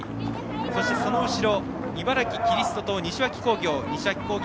そしてその後ろ、茨城キリストと西脇工業。